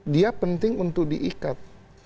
dia penting untuk diikat